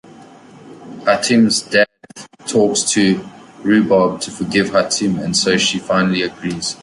Hatim’s dad talks to Rubab to forgive Hatim and so she finally agrees.